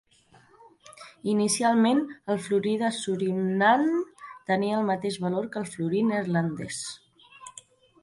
Inicialment, el florí de Surinam tenia el mateix valor que el florí neerlandès.